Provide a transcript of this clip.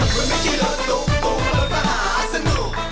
กลัวโหงกัน